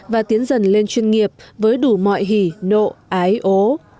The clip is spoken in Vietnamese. và tiến dần lên chuyên nghiệp với đủ mọi hỉ nộ ái ố